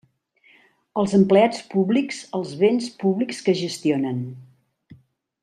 Els empleats públics, els béns públics que gestionen.